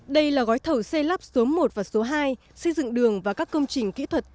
đây là gói thầu xây lắp số một và số hai xây dựng đường và các công trình kỹ thuật